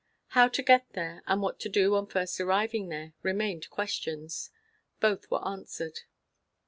How to get there, and what to do on first arriving there, remained questions. Both were answered.